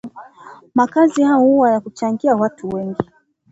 Makazi yao huwa ya kuchangia watu wengi